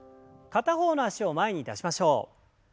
片方の脚を前に出しましょう。